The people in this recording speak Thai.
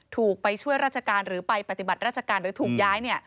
ถูกไปช่วยราชการหรือไปปฏิบัติราชการหรือถูกย้าย